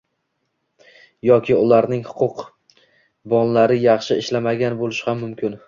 yoki ularning huquqbonlari yaxshi ishlamagan bo‘lishi ham mumkin.